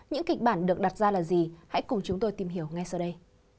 những kịch bản được đặt ra là gì hãy cùng chúng tôi tìm hiểu ngay sau đây